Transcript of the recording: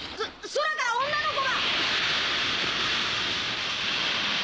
空から女の子。